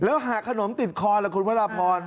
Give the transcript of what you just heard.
แล้วหากขนมติดคอล่ะคุณพระราพร